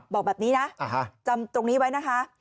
บอกแบบนี้นะจำตรงนี้ไว้นะคะ